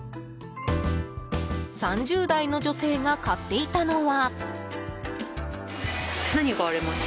３０代の女性が買っていたのは。